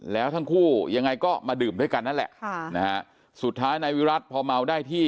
แล้วทั้งคู่ยังไงก็มาดื่มด้วยกันนั่นแหละค่ะนะฮะสุดท้ายนายวิรัติพอเมาได้ที่